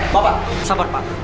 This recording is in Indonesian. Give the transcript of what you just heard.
bapak sabar pak